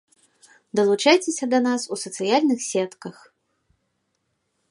Далучайцеся да нас у сацыяльных сетках!